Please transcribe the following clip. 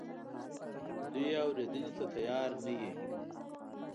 دوی یې اورېدنې ته تیار نه وي.